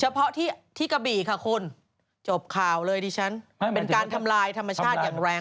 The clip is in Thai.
เพาะที่กะบี่ค่ะคุณจบข่าวเลยดิฉันเป็นการทำลายธรรมชาติอย่างแรง